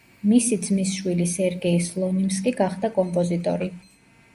მისი ძმისშვილი სერგეი სლონიმსკი გახდა კომპოზიტორი.